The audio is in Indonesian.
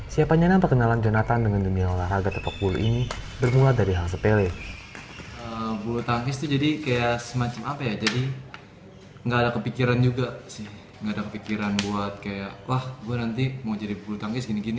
siapa nyana perkenalan jonathan dengan dunia olahraga tepuk bulu ini bermula dari hal sepele